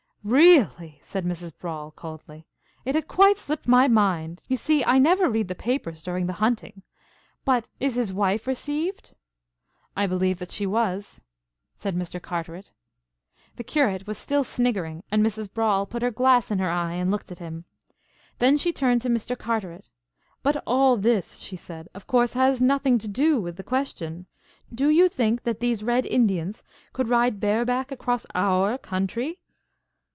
"Really!" said Mrs. Brawle, coldly. "It had quite slipped my mind. You see I never read the papers during the hunting. But is his wife received?" "I believe that she was," said Mr. Carteret. The Curate was still sniggering and Mrs. Brawle put her glass in her eye and looked at him. Then she turned to Mr. Carteret. "But all this," she said, "of course, has nothing to do with the question. Do you think that these red Indians could ride bareback across our country?"